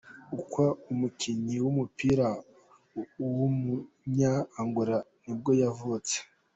Akwá, umukinnyi w’umupira w’umunya-Angola nibwo yavutse.